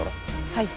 はい。